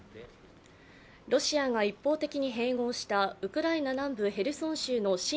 ロシアが一方的に併合したウクライナ南部ヘルソン州の親